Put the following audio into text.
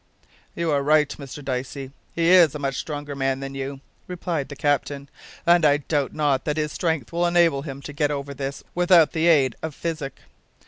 "You are right, Mr Dicey, he is a much stronger man than you," replied the captain, "and I doubt not that his strength will enable him to get over this without the aid of physic."